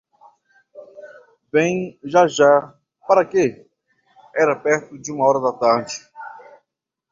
Vem, já, já, para quê? Era perto de uma hora da tarde.